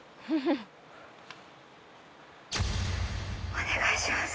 お願いします。